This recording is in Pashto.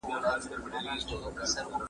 ایا ته منډه وهې.